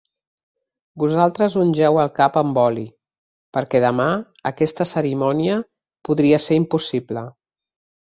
"Vosaltres ungeu el cap amb oli" perquè demà aquesta cerimònia podria ser impossible.